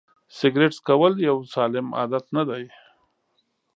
سیګرېټ څکول یو سالم عادت نه دی.